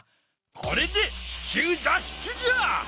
これで地球脱出じゃ！